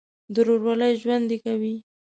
د ورورولۍ ژوند دې کوي.